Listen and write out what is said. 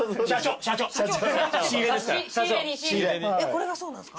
これがそうなんですか？